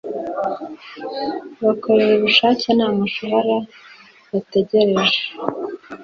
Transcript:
bakorera ubushake nta mushahara bategereje